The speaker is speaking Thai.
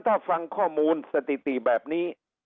ถ้าฟังข้อมูลสถิติแบบนี้